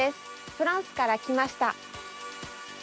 フランスから来ました。